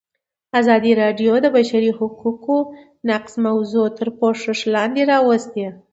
ازادي راډیو د د بشري حقونو نقض موضوع تر پوښښ لاندې راوستې.